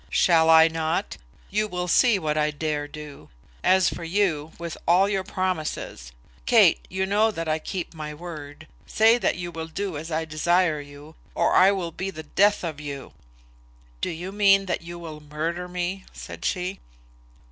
"Shall I not? You will see what I dare do. As for you, with all your promises . Kate, you know that I keep my word. Say that you will do as I desire you, or I will be the death of you." "Do you mean that you will murder me?" said she.